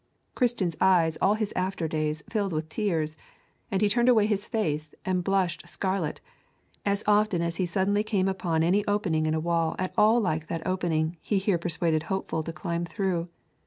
Christian's eyes all his after days filled with tears, and he turned away his face and blushed scarlet, as often as he suddenly came upon any opening in a wall at all like that opening he here persuaded Hopeful to climb through.